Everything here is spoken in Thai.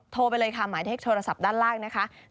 โทรไปเลยค่ะหมายเลขโทรศัพท์ด้านล่างนะคะ